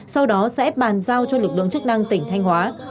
sau đó sẽ bàn giao cho lực lượng chức năng tỉnh thanh hóa